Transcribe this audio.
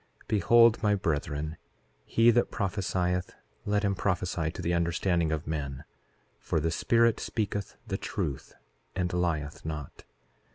4:13 Behold, my brethren, he that prophesieth, let him prophesy to the understanding of men; for the Spirit speaketh the truth and lieth not.